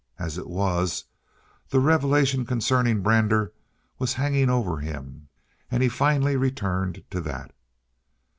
As it was, the revelation concerning Brander was hanging over him, and he finally returned to that.